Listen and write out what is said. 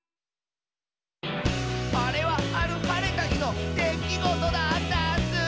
「あれはあるはれたひのできごとだったッスー」